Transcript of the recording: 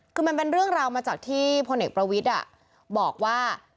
คือมันเป็นเรื่องราวมาจากที่พลเอกประวิทย์บอกว่า